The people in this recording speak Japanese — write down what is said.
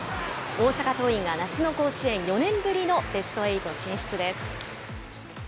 大阪桐蔭が夏の甲子園４年ぶりのベストエイト進出です。